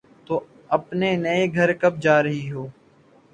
تم اپنے نئے گھر کب جا رہی ہو